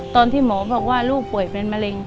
ตอนที่หมอบอกว่าลูกป่วยเป็นมะเร็ง